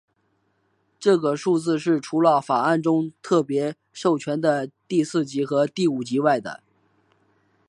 这个数字是除了法案中特别授权的第四级和第五级外的。